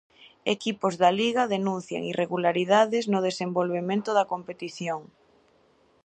Equipos da liga denuncian irregularidades no desenvolvemento da competición.